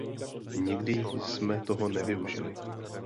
Nikdy jsme toho nevyužili.